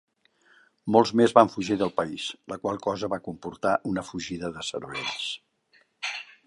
Molts més van fugir del país, la qual cosa va comportar una fugida de cervells.